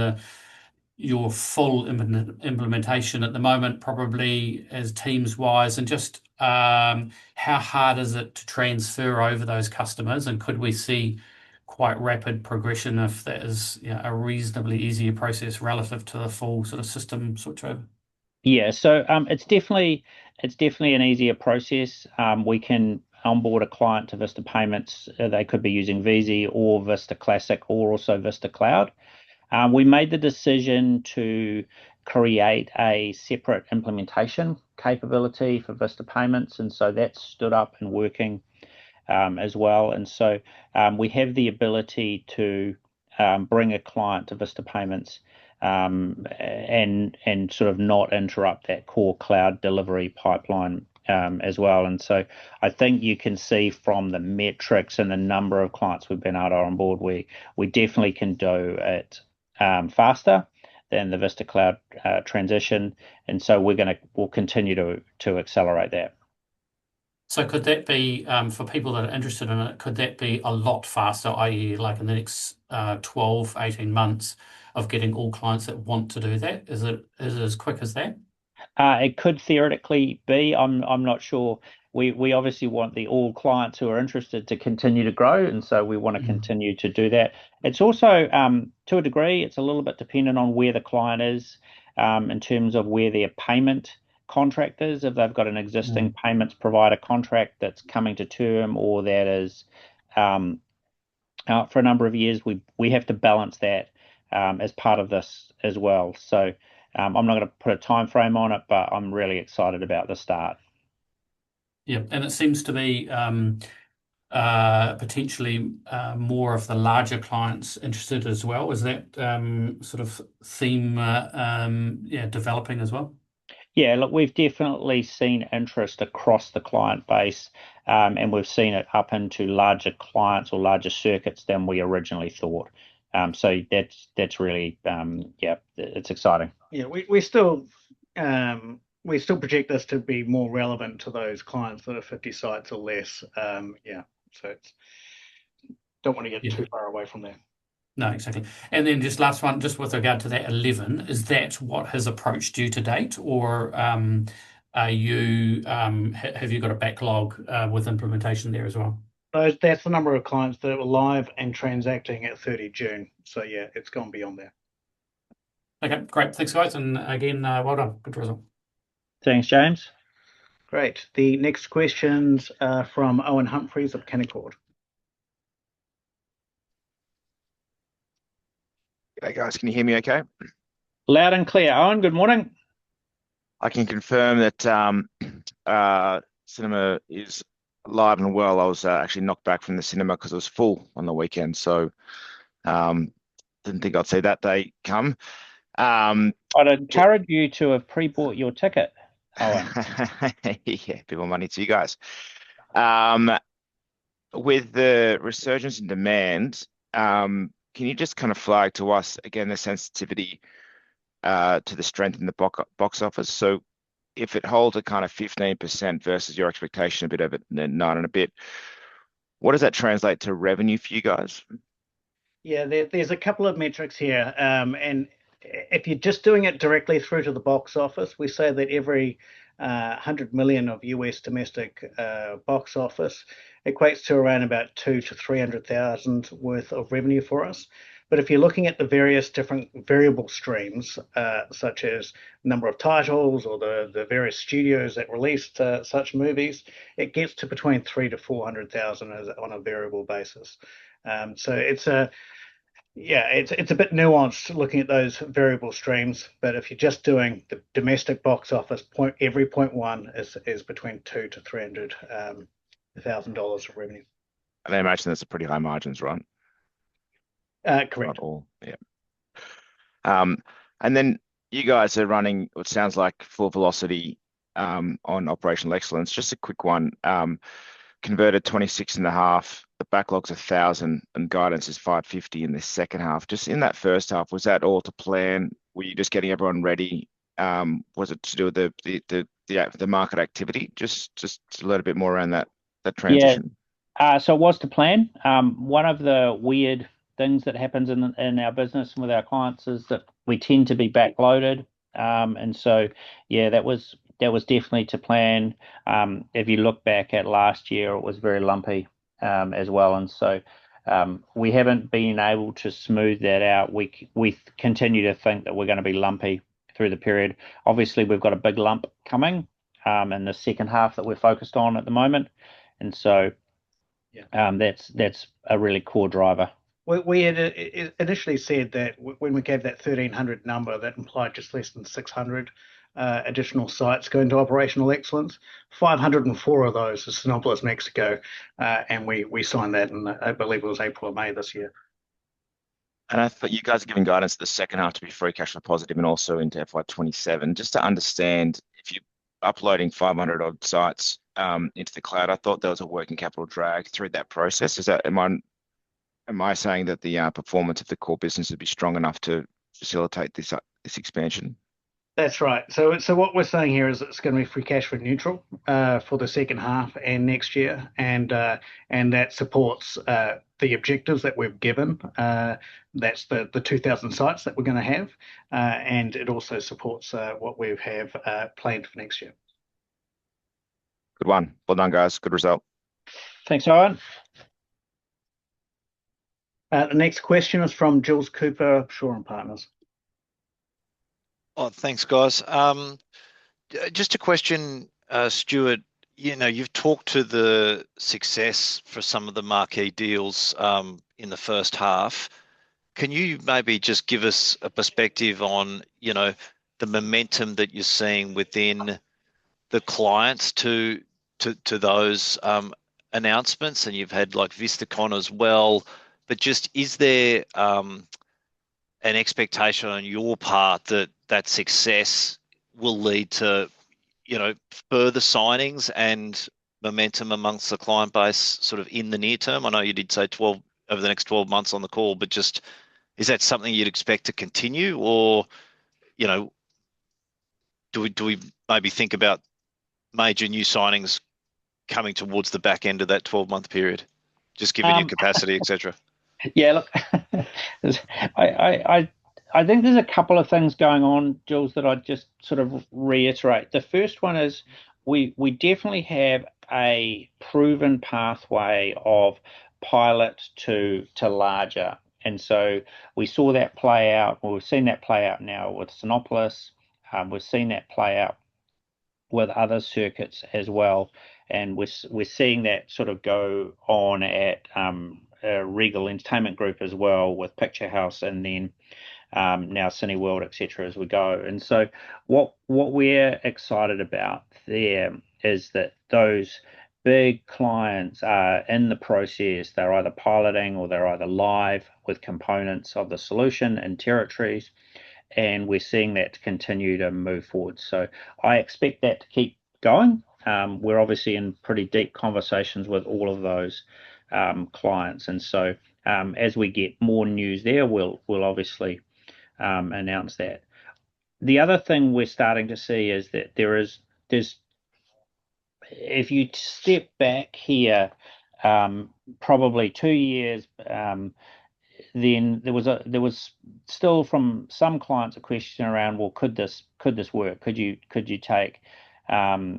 your full implementation at the moment, probably as teams-wise, and just how hard is it to transfer over those customers, and could we see quite rapid progression if that is a reasonably easier process relative to the full sort of system switchover? Yeah. It's definitely an easier process. We can onboard a client to Vista Payments. They could be using Veezi or Vista Classic or also Vista Cloud. We made the decision to create a separate implementation capability for Vista Payments, that's stood up and working as well. We have the ability to bring a client to Vista Payments, and sort of not interrupt that core cloud delivery pipeline as well. I think you can see from the metrics and the number of clients we've been able to onboard, we definitely can do it faster than the Vista Cloud transition. We'll continue to accelerate that. Could that be, for people that are interested in it, could that be a lot faster, i.e. like in the next 12, 18 months of getting all clients that want to do that? Is it as quick as that? It could theoretically be. I'm not sure. We obviously want all clients who are interested to continue to grow, and so we want to continue to do that. It's also, to a degree, it's a little bit dependent on where the client is, in terms of where their payment contractors, if they've got an existing payments provider contract that's coming to term or that is out for a number of years. We have to balance that as part of this as well. I'm not going to put a timeframe on it, but I'm really excited about the start. Yeah. It seems to be potentially more of the larger clients interested as well. Is that sort of theme developing as well? Yeah. Look, we've definitely seen interest across the client base, and we've seen it up into larger clients or larger circuits than we originally thought. That's really Yeah, it's exciting. Yeah. We still project this to be more relevant to those clients that are 50 sites or less. Yeah. Don't wanna get too far away from that. No, exactly. Then just last one, just with regard to that 11, is that what has approached you to date? Or have you got a backlog with implementation there as well? That's the number of clients that were live and transacting at 30 June, yeah, it's gone beyond that. Okay, great. Thanks, guys. Again, well done. Good result. Thanks, James. Great. The next question's from Owen Humphries of Canaccord. G'day, guys. Can you hear me okay? Loud and clear, Owen. Good morning. I can confirm that cinema is alive and well. I was actually knocked back from the cinema because it was full on the weekend. Didn't think I'd see that day come. I'd encourage you to have pre-bought your ticket, Owen. Yeah, a bit more money to you guys. With the resurgence in demand, can you just kind of flag to us again the sensitivity to the strength in the box office? If it holds a kind of 15% versus your expectation a bit over nine and a bit, what does that translate to revenue for you guys? Yeah. There's a couple of metrics here. If you're just doing it directly through to the box office, we say that every $100 million of U.S. domestic box office equates to around 200,000-300,000 worth of revenue for us. If you're looking at the various different variable streams, such as number of titles or the various studios that released such movies, it gets to between 300,000-400,000 on a variable basis. It's a bit nuanced looking at those variable streams, but if you're just doing the domestic box office, every 0.1 is between 200,000-300,000 dollars of revenue. I imagine that's pretty high margins, right? Correct. Yeah. You guys are running what sounds like full velocity on operational excellence. Just a quick one. Converted 26.5. The backlog's 1,000, guidance is 550 in this second half. Just in that first half, was that all to plan? Were you just getting everyone ready? Was it to do with the market activity? Just a little bit more around that transition. Yeah. It was to plan. One of the weird things that happens in our business and with our clients is that we tend to be back-loaded. Yeah, that was definitely to plan. If you look back at last year, it was very lumpy as well. We haven't been able to smooth that out. We continue to think that we're going to be lumpy through the period. Obviously, we've got a big lump coming in the second half that we're focused on at the moment. Yeah And so that's a really core driver. We had initially said that when we gave that 1,300 number, that implied just less than 600 additional sites going to operational excellence, 504 of those are Cinépolis Mexico. We signed that in, I believe it was April or May this year. I thought you guys are giving guidance for the second half to be free cash flow positive and also into FY 2027. Just to understand, if you're uploading 500 odd sites into the cloud, I thought there was a working capital drag through that process. Am I saying that the performance of the core business would be strong enough to facilitate this expansion? That's right. What we're saying here is it's going to be free cash flow neutral for the second half and next year, that supports the objectives that we've given. That's the 2,000 sites that we're going to have. It also supports what we have planned for next year. Good one. Well done, guys. Good result. Thanks, Owen. The next question is from Jules Cooper, Shaw and Partners. Thanks, guys. Just a question, Stuart. You've talked to the success for some of the marquee deals in the first half. Can you maybe just give us a perspective on the momentum that you're seeing within the clients to those announcements, and you've had like VistaCon as well. Is there an expectation on your part that that success will lead to further signings and momentum amongst the client base sort of in the near term? I know you did say over the next 12 months on the call, but just is that something you'd expect to continue? Or do we maybe think about major new signings coming towards the back end of that 12-month period? Just given your capacity, et cetera. I think there's a couple of things going on, Jules, that I'd just sort of reiterate. The first one is we definitely have a proven pathway of pilot to larger. We saw that play out or we've seen that play out now with Cinépolis. We've seen that play out with other circuits as well, and we're seeing that go on at Regal Entertainment Group as well with Picturehouse and then now Cineworld, et cetera, as we go. What we're excited about there is that those big clients are in the process. They're either piloting or they're either live with components of the solution and territories, and we're seeing that continue to move forward. I expect that to keep going. We're obviously in pretty deep conversations with all of those clients. As we get more news there, we'll obviously announce that. The other thing we're starting to see is that if you step back here probably two years, there was still from some clients a question around, well, could this work? Could you take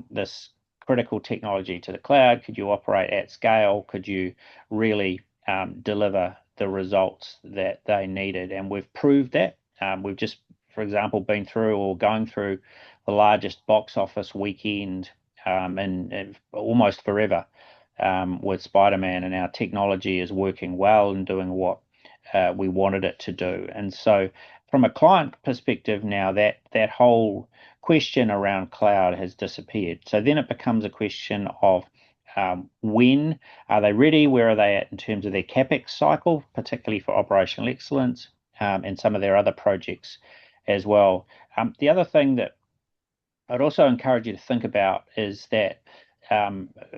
this critical technology to the cloud? Could you operate at scale? Could you really deliver the results that they needed? We've proved that. We've just, for example, been through or are going through the largest box office weekend in almost forever with "Spider-Man," and our technology is working well and doing what we wanted it to do. From a client perspective now, that whole question around cloud has disappeared. It becomes a question of when. Are they ready? Where are they at in terms of their CapEx cycle, particularly for operational excellence, and some of their other projects as well? The other thing that I'd also encourage you to think about is that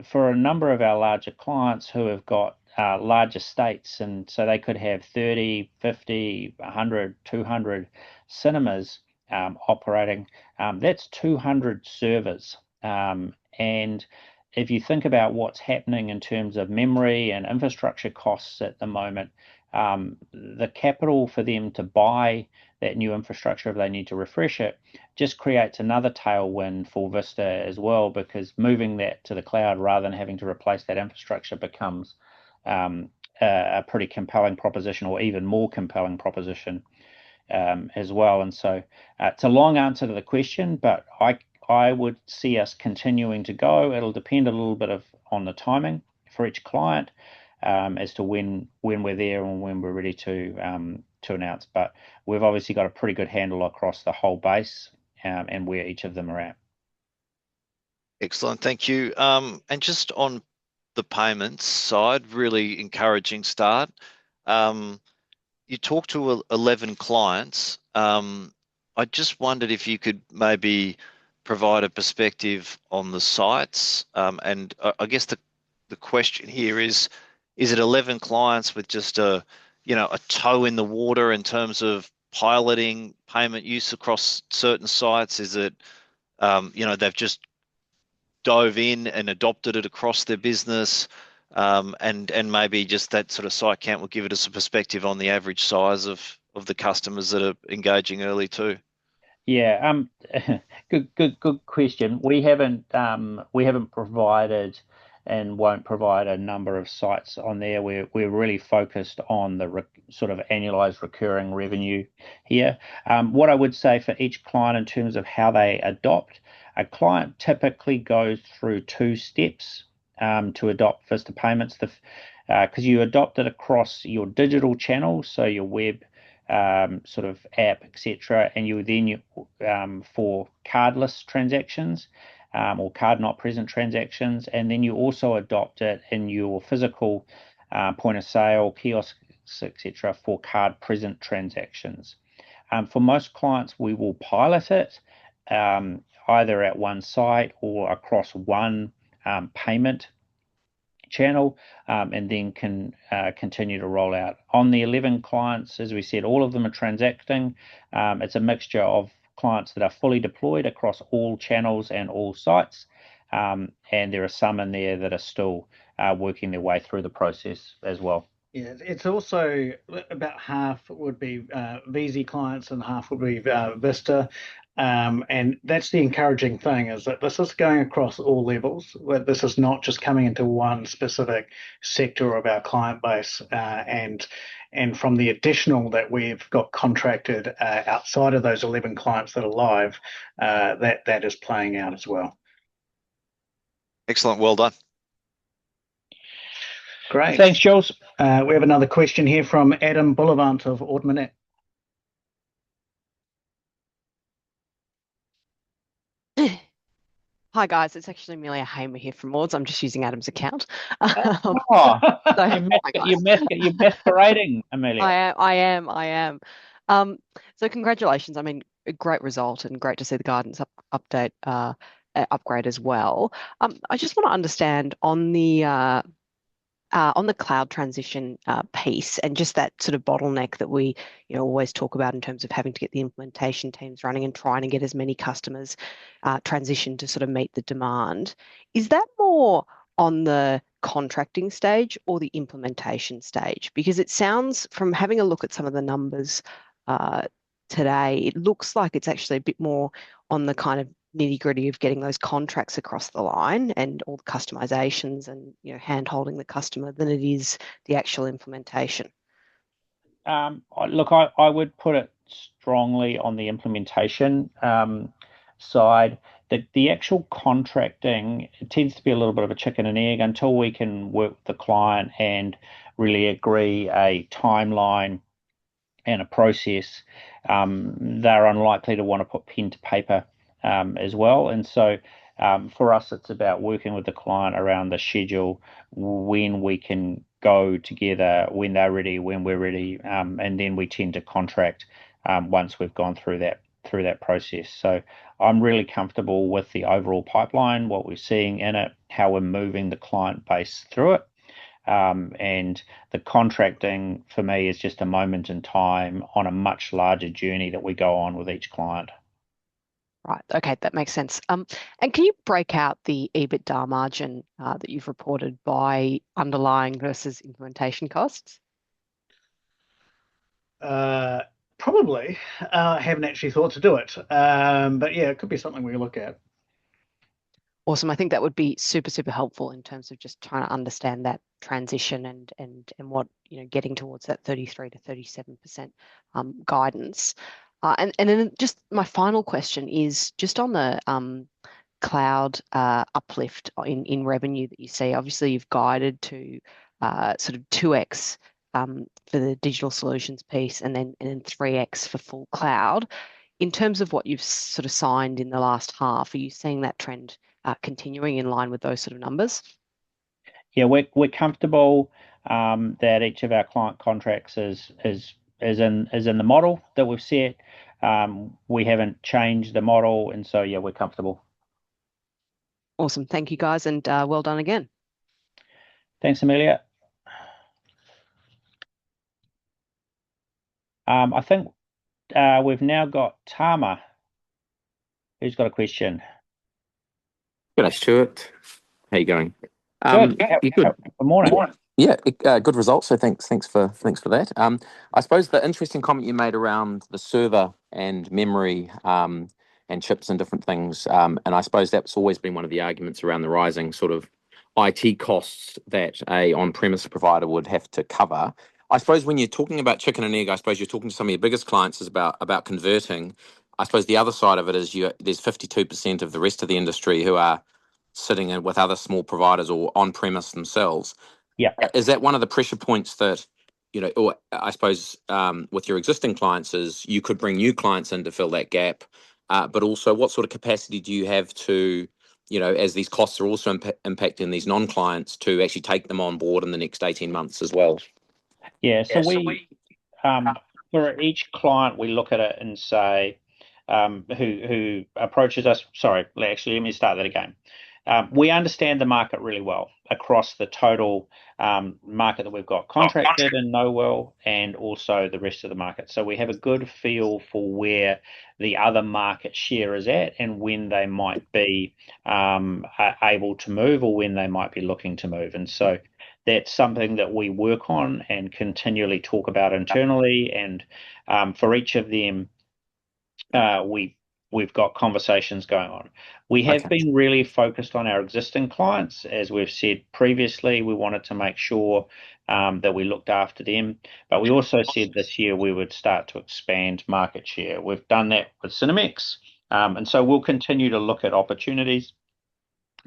for a number of our larger clients who have got larger states, they could have 30, 50, 100, 200 cinemas operating. That's 200 servers. If you think about what's happening in terms of memory and infrastructure costs at the moment, the capital for them to buy that new infrastructure if they need to refresh it just creates another tailwind for Vista as well, because moving that to the cloud rather than having to replace that infrastructure becomes a pretty compelling proposition or even more compelling proposition as well. It's a long answer to the question, but I would see us continuing to go. It'll depend a little bit on the timing for each client as to when we're there and when we're ready to announce. We've obviously got a pretty good handle across the whole base, and where each of them are at. Excellent. Thank you. Just on the payments side, really encouraging start. You talked to 11 clients. I just wondered if you could maybe provide a perspective on the sites. I guess the question here is it 11 clients with just a toe in the water in terms of piloting payment use across certain sites? Is it they've just dove in and adopted it across their business? Maybe just that site count will give us a perspective on the average size of the customers that are engaging early too. Yeah. Good question. We haven't provided and won't provide a number of sites on there. We're really focused on the annualized recurring revenue here. What I would say for each client in terms of how they adopt, a client typically goes through two steps to adopt Vista Payments. Because you adopt it across your digital channel, so your web app, et cetera, and you then for cardless transactions, or card-not-present transactions, and then you also adopt it in your physical point-of-sale kiosks, et cetera, for card-present transactions. For most clients, we will pilot it, either at one site or across one payment channel, and then can continue to roll out. On the 11 clients, as we said, all of them are transacting. It's a mixture of clients that are fully deployed across all channels and all sites, there are some in there that are still working their way through the process as well. Yeah. It's also about half would be Veezi clients and half would be Vista. That's the encouraging thing is that this is going across all levels. This is not just coming into one specific sector of our client base. From the additional that we've got contracted outside of those 11 clients that are live, that is playing out as well. Excellent. Well done. Great. Thanks, Jules. We have another question here from Adam Bullivant of Ord Minnett. Hi, guys. It's actually Amelia Hamer here from Ords. I'm just using Adam's account. Oh. Sorry. Hi, guys. You're masquerading, Amelia. I am. Congratulations. A great result and great to see the guidance upgrade as well. I just want to understand on the cloud transition piece and just that bottleneck that we always talk about in terms of having to get the implementation teams running and trying to get as many customers transitioned to meet the demand. Is that more on the contracting stage or the implementation stage? Because it sounds from having a look at some of the numbers today, it looks like it's actually a bit more on the kind of nitty-gritty of getting those contracts across the line and all the customizations and hand-holding the customer than it is the actual implementation. Look, I would put it strongly on the implementation side, that the actual contracting tends to be a little bit of a chicken and egg. Until we can work with the client and really agree a timeline and a process, they're unlikely to want to put pen to paper as well. For us, it's about working with the client around the schedule, when we can go together, when they're ready, when we're ready, then we tend to contract once we've gone through that process. I'm really comfortable with the overall pipeline, what we're seeing in it, how we're moving the client base through it. The contracting, for me, is just a moment in time on a much larger journey that we go on with each client. Right. Okay. That makes sense. Can you break out the EBITDA margin that you've reported by underlying versus implementation costs? Probably. Haven't actually thought to do it. Yeah, it could be something we look at. Awesome. I think that would be super helpful in terms of just trying to understand that transition and getting towards that 33%-37% guidance. Just my final question is just on the cloud uplift in revenue that you see. Obviously, you've guided to sort of 2x for the digital solutions piece, then 3x for full cloud. In terms of what you've sort of signed in the last half, are you seeing that trend continuing in line with those sort of numbers? Yeah. We're comfortable that each of our client contracts is in the model that we've set. We haven't changed the model, and so yeah, we're comfortable. Awesome. Thank you guys, and well done again. Thanks, Amelia. I think we've now got [Tama], who's got a question. G'day, Stuart. How you going? Good. Yeah, good. Good morning. Morning. Yeah, good results. Thanks for that. I suppose the interesting comment you made around the server and memory, and chips and different things, and I suppose that's always been one of the arguments around the rising sort of IT costs that a on-premise provider would have to cover. I suppose when you're talking about chicken and egg, I suppose you're talking to some of your biggest clients is about converting. I suppose the other side of it is there's 52% of the rest of the industry who are sitting with other small providers or on-premise themselves. Yeah. Is that one of the pressure points that, or I suppose, with your existing clients is you could bring new clients in to fill that gap. Also, what sort of capacity do you have to, as these costs are also impacting these non-clients, to actually take them on board in the next 18 months as well? Yeah. So we—for each client, we look at it and say, who approaches us Sorry. Actually, let me start that again. We understand the market really well across the total market that we've got contracted and know well, and also the rest of the market. We have a good feel for where the other market share is at and when they might be able to move or when they might be looking to move, that's something that we work on and continually talk about internally. For each of them, we've got conversations going on. Okay. We have been really focused on our existing clients. As we've said previously, we wanted to make sure that we looked after them. We also said this year we would start to expand market share. We've done that with Cinemex, we'll continue to look at opportunities,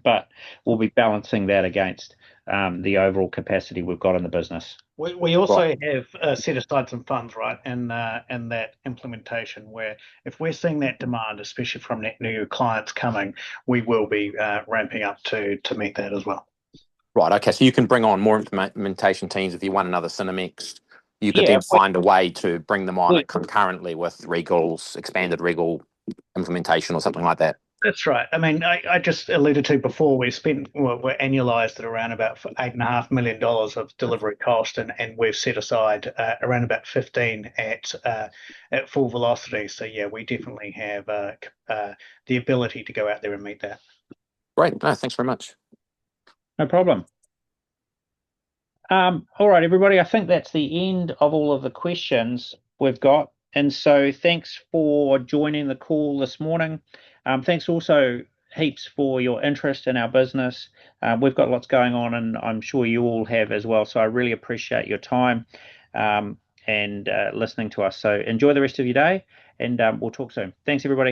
but we'll be balancing that against the overall capacity we've got in the business. We also have set aside some funds, right? In that implementation where if we're seeing that demand, especially from new clients coming, we will be ramping up to meet that as well. Right. Okay, you can bring on more implementation teams if you want another Cinemex. Yeah. You could find a way to bring them on concurrently with Regal's expanded Regal implementation or something like that. That's right. I just alluded to before, we're annualized at around about 8.5 million dollars of delivery cost, and we've set aside around about 15 million at full velocity. Yeah, we definitely have the ability to go out there and meet that. Great. No, thanks very much. No problem. All right, everybody. I think that's the end of all of the questions we've got. Thanks for joining the call this morning. Thanks also heaps for your interest in our business. We've got lots going on, and I'm sure you all have as well, so I really appreciate your time and listening to us. Enjoy the rest of your day, and we'll talk soon. Thanks everybody.